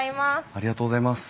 ありがとうございます。